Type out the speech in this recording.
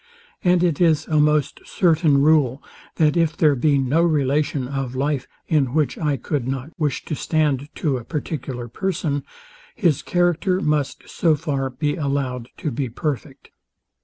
And it is a most certain rule, that if there be no relation of life, in which I could not wish to stand to a particular person, his character must so far be allowed to be perfect.